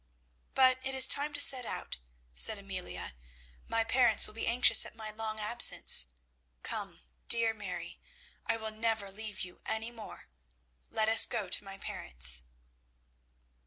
"But it is now time to set out," said Amelia. "My parents will be anxious at my long absence. Come, dear Mary, I will never leave you any more. Let us go to my parents."